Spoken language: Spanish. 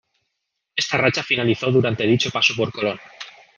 Esta racha finalizó durante dicho paso por Colón.